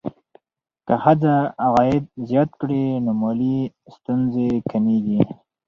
که ښځه عاید زیات کړي، نو مالي ستونزې کمېږي.